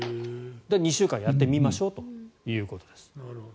２週間やってみましょうということです。